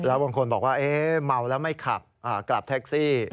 บางคนบอกว่าเมาแล้วไม่ขับกลับแท็กซี่